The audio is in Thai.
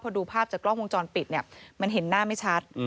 พอดูภาพจากกล้องวงจรปิดเนี่ยมันเห็นหน้าไม่ชัด